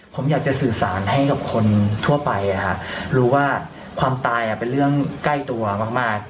ผมอยากจะสื่อสารให้กับคนทั่วไปรู้ว่าความตายเป็นเรื่องใกล้ตัวมาก